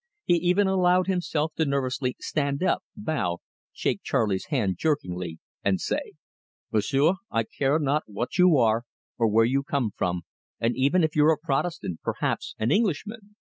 He even allowed himself to nervously stand up, bow, shake Charley's hand jerkingly, and say: "M'sieu', I care not what you are or where you come from, or even if you're a Protestant, perhaps an Englishman.